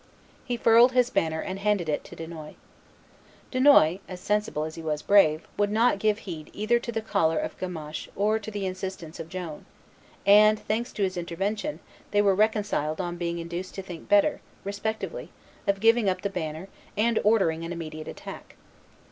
He furled his banner and handed it to Dunois. Dunois, as sensible as he was brave, would not give heed either to the choler of Gamaches or to the insistence of Joan; and, thanks to his intervention, they were reconciled on being induced to think better, respectively, of giving up the banner and ordering an immediate attack.